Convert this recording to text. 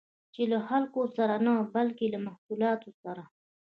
چې له خلکو سره نه، بلکې له محصولات سره